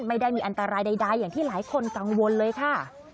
ไม่ได้มีอันตรายใดอย่างที่หลายคนกังวลเลยค่ะ